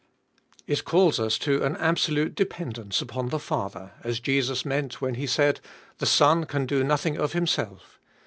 It calls us to an absolute dependence upon the Father, as Jesus meant, when He said, The Son can do nothing of Himself.